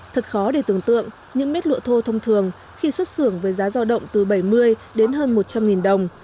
thật khó để tưởng tượng những mét lụa thô thông thường khi xuất xưởng với giá giao động từ bảy mươi đến hơn một trăm linh đồng